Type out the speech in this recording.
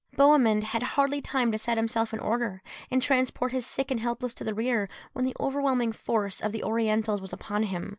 Bohemund had hardly time to set himself in order, and transport his sick and helpless to the rear, when the overwhelming force of the Orientals was upon him.